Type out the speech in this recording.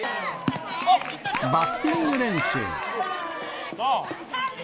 バッティング練習。